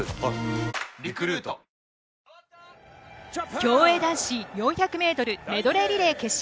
競泳男子４００ｍメドレーリレー決勝。